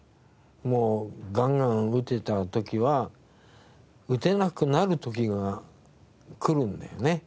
もうガンガン打ってた時は打てなくなる時がくるんだよね。